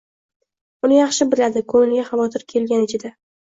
Uni yaxshi biladi, ko‘ngliga kelgan xavotir ichida